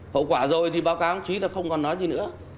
hậu quả rồi thì báo cáo chí không còn nói gì nữa